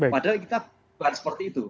padahal kita bukan seperti itu